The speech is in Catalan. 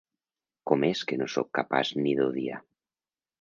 Com és que no sóc capaç ni d'odiar?